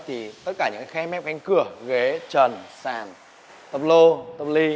thì tất cả những cái khé mép cánh cửa ghế trần sàn tập lô tập ly